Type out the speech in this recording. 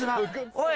おい！